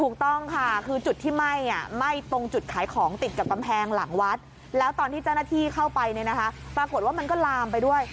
ถูกต้องค่ะคือจุดที่ไหม่